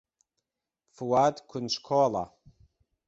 فواد کونجکۆڵە.